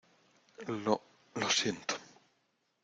Lo... Lo siento .